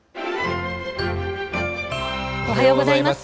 おはようございます。